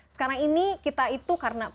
sekarang ini kita itu karena